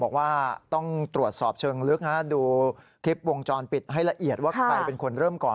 คลิปวงจรปิดให้ละเอียดว่าใครเป็นคนเริ่มก่อน